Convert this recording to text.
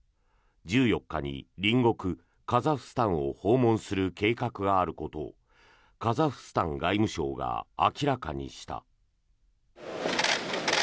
１４日に隣国カザフスタンを訪問する計画があることをカザフスタン外務省が明らかにした。